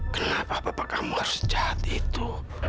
kenapa bapak kamu harus jahat itu